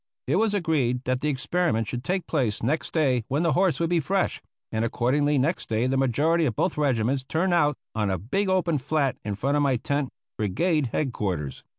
It was agreed that the experiment should take place next day when the horse would be fresh, and accordingly next day the majority of both regiments turned out on a big open flat in front of my tent brigade head quarters.